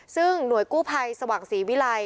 ซึ่งหน่วยกู้ภัยสว่างศรีวิลัย